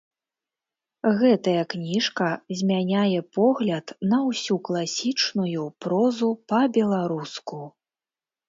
Гэтая кніжка змяняе погляд на ўсю класічную прозу па-беларуску.